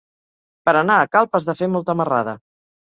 Per anar a Calp has de fer molta marrada.